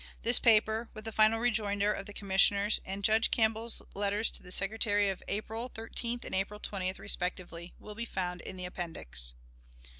This paper, with the final rejoinder of the Commissioners and Judge Campbell's letters to the Secretary of April 13th and April 20th, respectively, will be found in the Appendix.